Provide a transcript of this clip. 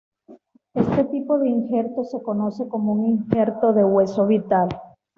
Este tipo de injerto se conoce como un injerto de hueso vital.